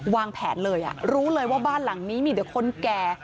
วางแผนเลยรู้เลยว่าบ้านหลังนี้มีแต่คนแก่